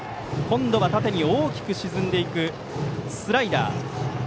今度は縦に大きく沈んでいくスライダー。